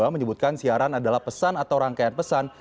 menyebutkan siaran adalah pesan atau rangkaian pesan